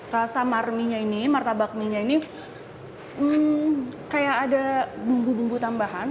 rasa marminya ini martabak mie nya ini kayak ada bumbu bumbu tambahan